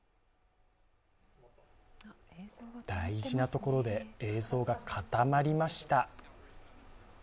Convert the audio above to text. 大事なところで映像が固まりました。